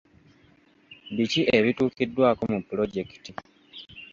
Biki ebituukiddwako mu pulojekiti?